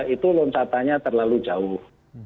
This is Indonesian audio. itu loncatannya terlalu jauh